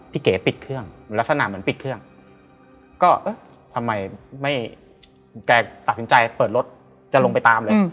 เก๋ปิดเครื่องลักษณะเหมือนปิดเครื่องก็เออทำไมไม่แกตัดสินใจเปิดรถจะลงไปตามเลย